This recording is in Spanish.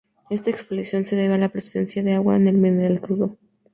Esta exfoliación se debe a la presencia de agua en el mineral crudo.